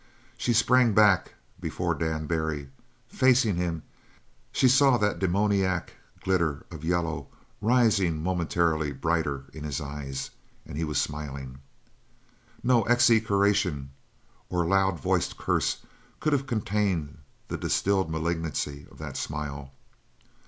She sprang back before Dan Barry. Facing him, she saw that demoniac glitter of yellow rising momently brighter in his eyes, and he was smiling. No execration or loud voiced curse could have contained the distilled malignancy of that smile.